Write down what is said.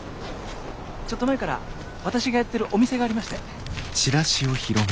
ちょっと前から私がやってるお店がありまして。